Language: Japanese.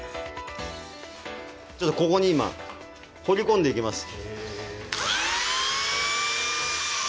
ちょっとここに今彫り込んでいきます。